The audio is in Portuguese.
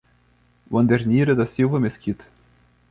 Wandernira da Silva Mesquita